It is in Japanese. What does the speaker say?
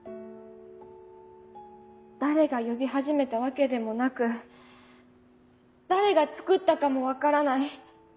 誰が呼び始めたわけでもなく誰が作ったかも分からない。